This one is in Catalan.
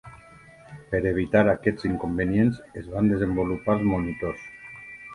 Per evitar aquests inconvenients es van desenvolupar els monitors.